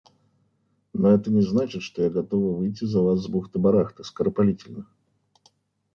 Но это не значит, что я готова выйти за Вас с бухты-барахты, скоропалительно.